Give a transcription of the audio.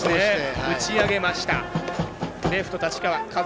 打ち上げました。